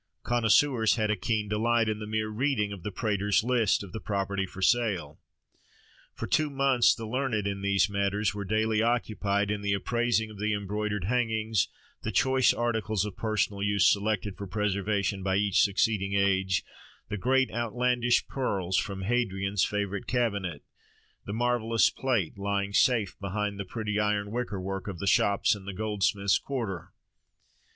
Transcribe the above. Connoisseurs had a keen delight in the mere reading of the Praetor's list of the property for sale. For two months the learned in these matters were daily occupied in the appraising of the embroidered hangings, the choice articles of personal use selected for preservation by each succeeding age, the great outlandish pearls from Hadrian's favourite cabinet, the marvellous plate lying safe behind the pretty iron wicker work of the shops in the goldsmiths' quarter.